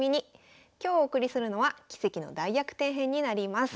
今日お送りするのは「奇跡の大逆転編」になります。